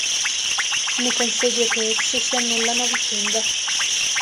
Ne consegue che esse si annullano a vicenda.